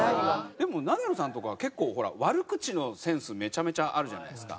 でもナダルさんとかは結構ほら悪口のセンスめちゃめちゃあるじゃないですか。